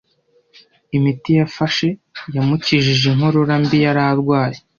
Imiti yafashe yamukijije inkorora mbi yari arwaye.